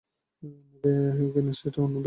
নেবে কিনা সেটা অন্য ব্যাপার।